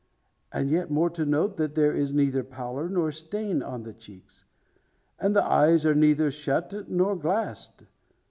And yet more to note, that there is neither pallor, nor stain on the cheeks; and the eyes are neither shut, nor glassed.